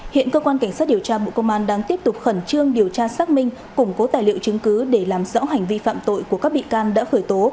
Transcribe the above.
hiện cơ quan cảnh sát điều tra bộ công an đang tiếp tục khẩn trương điều tra xác minh củng cố tài liệu chứng cứ để làm rõ hành vi phạm tội của các bị can đã khởi tố